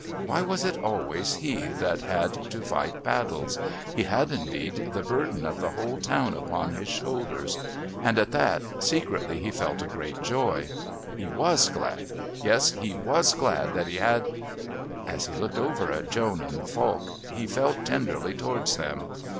Why was it always he that had to fight battles? He had indeed the burden of the whole town upon his shoulders. And at that secretly he felt a great joy. He was glad yes, he was glad that he had.... As he looked over at Joan and Folk he felt tenderly towards them.